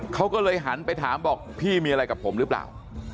เขาก็เลยหันไปถามบอกพี่มีอะไรกับผมหรือเปล่า